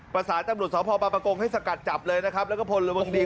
ประสานตำหนดสวพพาปกงให้สกัดจับเลยนะครับแล้วก็พลลวงศรี